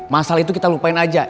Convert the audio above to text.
masalah itu kita lupain aja